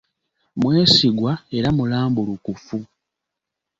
Mwesigwa era mulambulukufu.